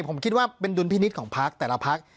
ผมคิดว่าเป็นดุลพินิษฐ์ของพักแต่ละพัก